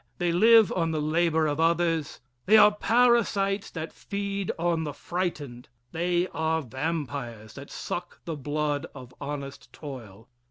They live on the labor of others. They are parasites that feed on the frightened. They are vampires that suck the blood of honest toil.